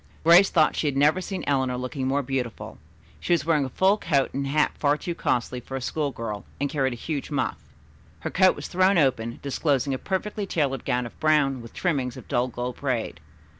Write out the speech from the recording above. Grace thought she had never seen Eleanor looking more beautiful. She was wearing a fur coat and hat far too costly for a school girl, and carried a huge muff. Her coat was thrown open, disclosing a perfectly tailored gown of brown, with trimmings of dull gold braid.